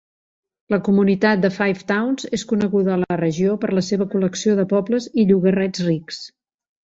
La comunitat de Five Towns és coneguda a la regió per la seva col·lecció de pobles i llogarrets rics.